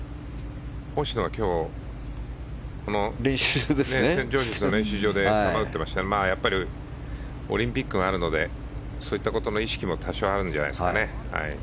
星野は今日、練習場で球を打ってましたがやっぱりオリンピックがあるのでそういったことの意識も多少あるんじゃないですかね。